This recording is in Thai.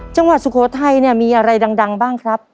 สุโขทัยเนี่ยมีอะไรดังบ้างครับ